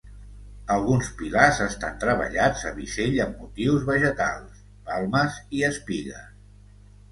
Alguns pilars estan treballats a bisell amb motius vegetals: palmes i espigues.